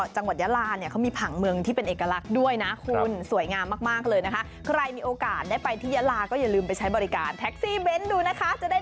เจ๋ยแล้วบอกตาทุ่นแล้ววงตอเอ้ย